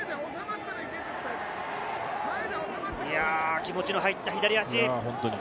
気持ちの入った左足。